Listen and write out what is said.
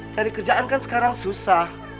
cari kerjaan kan sekarang susah